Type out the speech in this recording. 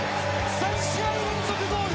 ３試合連続ゴール！